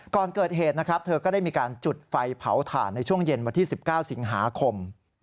ก่อนเกิดเหตุเธอก็ได้มีการจุดไฟเผาถ่านในช่วงเย็นวันที่๑๙สิงหาคม